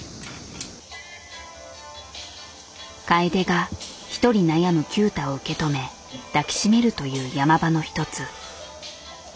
楓が一人悩む九太を受け止め抱き締めるという山場の一つ。